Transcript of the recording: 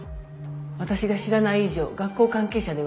私が知らない以上学校関係者ではありません。